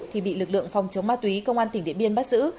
thì bị lực lượng phòng chống ma túy công an tỉnh điện biên bắt giữ